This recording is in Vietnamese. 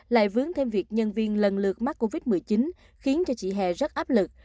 lại vướng thêm việc nhân viên lần lượt mắc covid một mươi chín khiến cho chị hè rất áp lực